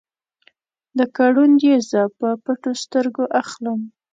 لکه ړوند یې زه په پټو سترګو اخلم